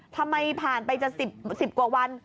ทำไมผ่านไปจะ๑๐กว่าวัน